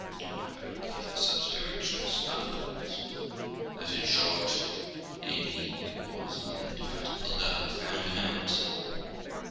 However, he gave her such directions afterwards that, in short, Amy, who was an indefatigable girl, found him out.